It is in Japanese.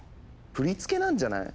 振り付けなんじゃない？